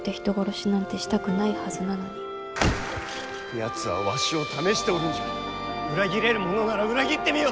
やつはわしを試しておるんじゃ裏切れるものなら裏切ってみよと！